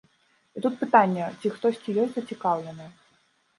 І тут пытанне, ці хтосьці ёсць зацікаўлены.